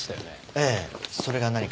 ええそれが何か？